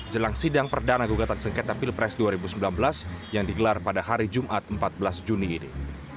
jelang sidang perdana gugatan sengketa pilpres dua ribu sembilan belas yang digelar pada hari jumat empat belas juni ini